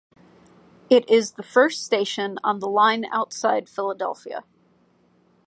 It is the first station on the line outside Philadelphia.